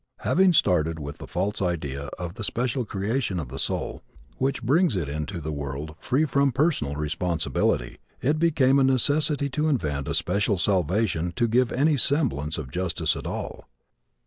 Having started with the false idea of the special creation of the soul, which brings it into the world free from personal responsibility, it became a necessity to invent a special salvation to give any semblance of justice at all.